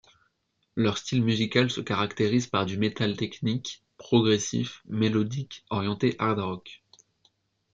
Leur style musical se caractérise par du metal technique, progressif, mélodique, orienté hard rock.